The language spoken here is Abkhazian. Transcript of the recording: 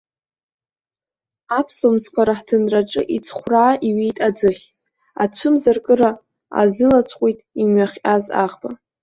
Аԥслымӡқәа раҳҭынраҿы иҵхәраа иҩеит аӡыхь, ацәымзаркыра азылацәҟәит имҩахҟьаз аӷба!